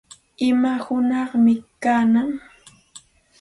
¿Ima hunaqmi kanan?